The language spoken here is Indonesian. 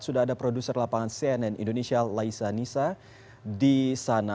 sudah ada produser lapangan cnn indonesia laisa nisa di sana